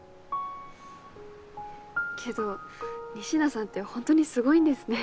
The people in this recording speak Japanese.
けど仁科さんってホントにすごいんですね。